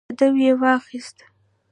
قدم یې واخیست